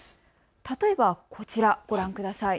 例えばこちら、ご覧ください。